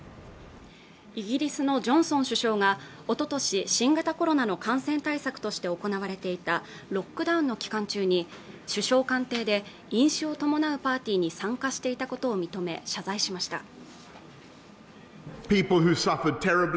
イギリスのジョンソン首相が一昨年、新型コロナの感染対策として行われていたロックダウンの期間中に首相官邸で飲酒を伴うパーティーに参加していたことを認め謝罪しました